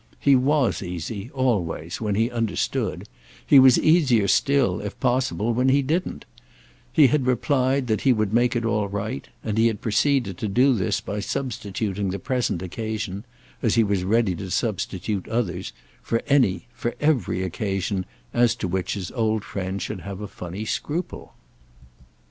He was easy, always, when he understood; he was easier still, if possible, when he didn't; he had replied that he would make it all right; and he had proceeded to do this by substituting the present occasion—as he was ready to substitute others—for any, for every occasion as to which his old friend should have a funny scruple.